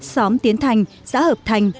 xóm tiến thành xã hợp thành